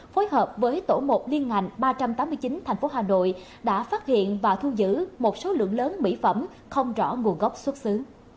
phối hợp với tổ một liên ngành ba trăm tám mươi chín tp hà nội đã phát hiện và thu giữ một số lượng lớn mỹ phẩm không rõ nguồn gốc xuất xứ